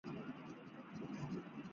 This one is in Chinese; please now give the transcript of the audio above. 想说再把钱赢回来